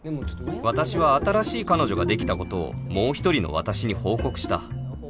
私は新しい彼女ができたことをもう１人の私に報告した